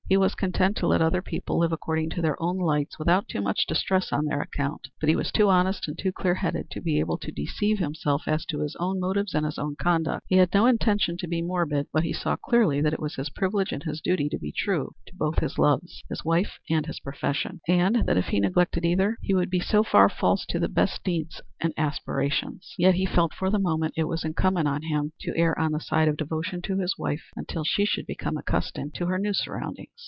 He was content to let other people live according to their own lights without too much distress on their account, but he was too honest and too clear headed to be able to deceive himself as to his own motives and his own conduct. He had no intention to be morbid, but he saw clearly that it was his privilege and his duty to be true to both his loves, his wife and his profession, and that if he neglected either, he would be so far false to his best needs and aspirations. Yet he felt that for the moment it was incumbent on him to err on the side of devotion to his wife until she should become accustomed to her new surroundings.